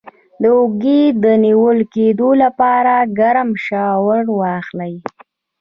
د اوږې د نیول کیدو لپاره ګرم شاور واخلئ